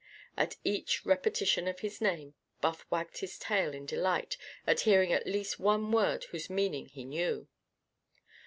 At each repetition of his name, Buff wagged his tail in delight at hearing at least one word whose meaning he knew.